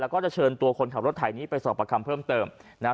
แล้วก็จะเชิญตัวคนขับรถไถนี้ไปสอบประคำเพิ่มเติมนะฮะ